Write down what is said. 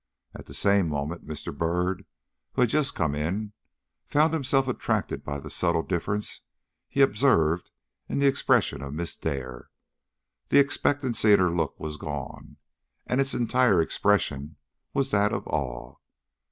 At the same moment Mr. Byrd, who had just come in, found himself attracted by the subtle difference he observed in the expression of Miss Dare. The expectancy in her look was gone, and its entire expression was that of awe.